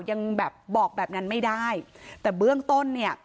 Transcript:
ยังแบบบอกแบบนั้นไม่ได้แต่เบื้องต้นเนี่ย